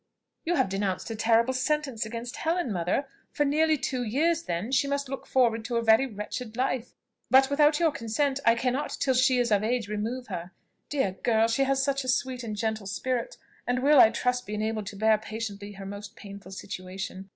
"You have denounced a terrible sentence against Helen, mother! for nearly two years, then, she must look forward to a very wretched life; but, without your consent, I cannot till she is of age remove her. Dear girl! she has a sweet and gentle spirit, and will, I trust, be enabled to bear patiently her most painful situation.